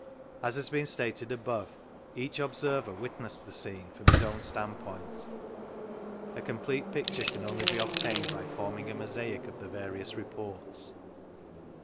As has been stated above, each observer witnessed the scene from his own stand point. A complete picture can only be obtained by forming a mosaic of the various reports.